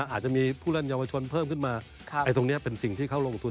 อาจจะมีผู้เล่นเยาวชนเพิ่มขึ้นมาตรงนี้เป็นสิ่งที่เขาลงทุน